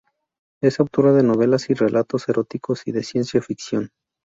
Es autora de novelas y relatos eróticos y de ciencia ficción.